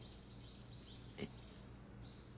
えっ。